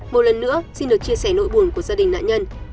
một lần nữa xin được chia sẻ nội buồn của gia đình nạn nhân